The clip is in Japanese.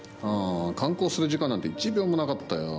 観光する時間なんて１秒もなかったよ。